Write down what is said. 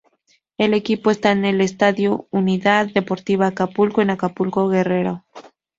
El equipo esta en el Estadio Unidad Deportiva Acapulco en Acapulco, Guerrero.